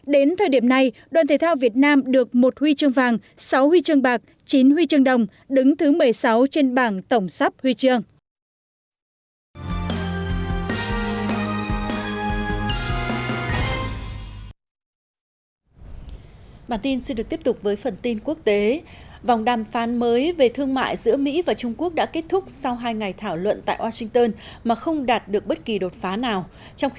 đến thời điểm này đoàn thể thao việt nam được một huy chương vàng sáu huy chương bạc chín huy chương đồng đứng thứ một mươi sáu trên bảng tổng sắp huy chương